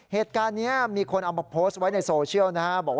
เหตุการณ์นี้มีคนเอามาโพสต์ไว้ในโซเชียลนะครับบอกว่า